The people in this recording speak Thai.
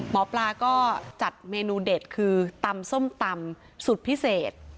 หมอปลาก็จัดเมนูเด็ดคือตำส้มตำสุดพิเศษ